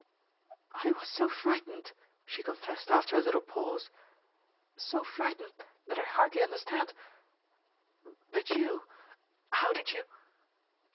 "I was so frightened," she confessed after a little pause, "so frightened that I hardly understand ... But you? How did you